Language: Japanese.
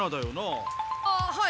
ああはい。